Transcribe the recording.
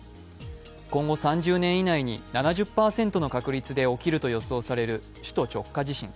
今後３０年以内に７０％の確率で起きると予想される首都直下型地震。